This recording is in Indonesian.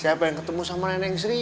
saya pengen ketemu sama neneng sri